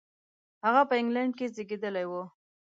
هغه په انګلېنډ کې زېږېدلی و.